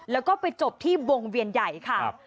แล้วก็ไปจบที่วงเวียนใหญ่ค่ะ